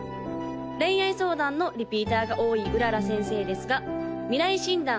恋愛相談のリピーターが多い麗先生ですが未来診断